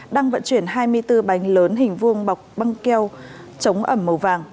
đang vận chuyển hai mươi bốn bánh lớn hình vuông bọc băng keo chống ẩm màu vàng